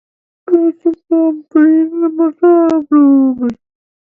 Birds sometimes breed in immature plumage.